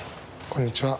こんにちは。